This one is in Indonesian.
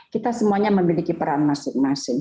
kita semuanya memiliki peran masing masing